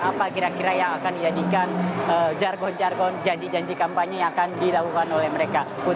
apa kira kira yang akan dijadikan jargon jargon janji janji kampanye yang akan dilakukan oleh mereka